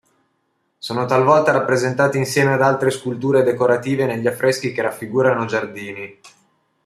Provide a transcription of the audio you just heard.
Sono talvolta rappresentati, insieme ad altre sculture decorative, negli affreschi che raffigurano giardini.